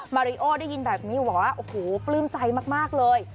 มาริโอได้ยินแบบนี้บอกว่าโอ้โหปลื้มใจมากเลย